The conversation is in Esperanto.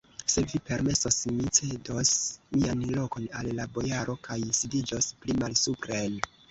Se vi permesos, mi cedos mian lokon al la bojaro kaj sidiĝos pli malsupren.